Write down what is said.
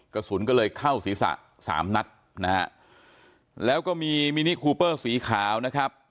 กระสุนก็เลยเข้าศีรษะสามนัดนะฮะแล้วก็มีมินิคูเปอร์สีขาวนะครับ